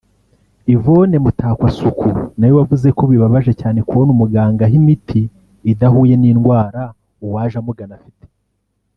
Yvonne Mutakwasuku nawe wavuze ko bibabaje cyane kubona umuganga aha imiti idahuye n’indwara uwaje amugana afite